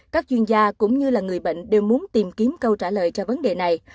các chuyên gia cũng như là người bệnh đều muốn tìm kiếm câu trả lời cho vấn đề này